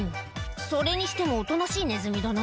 「それにしてもおとなしいネズミだな」